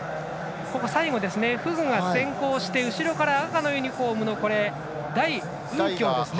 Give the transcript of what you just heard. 最後、フグが先行して後ろから赤のユニフォームの代雲強ですね。